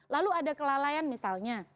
lalu ada kelalaian misalnya